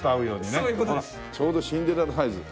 ちょうどシンデレラサイズ。